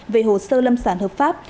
về hồ sơ lâm sản hợp pháp